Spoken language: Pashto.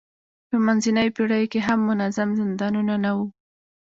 په منځنیو پېړیو کې هم منظم زندانونه نه وو.